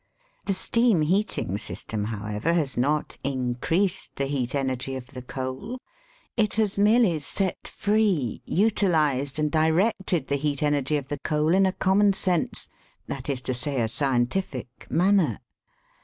The steam heating system, however, has not increased the heat energy of the coal; it has merely set free, utilised, and directed the heat energy of the coal in a common sense — that is to say, a scientific — manner.